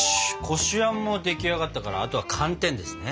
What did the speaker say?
こしあんも出来上がったからあとは寒天ですね。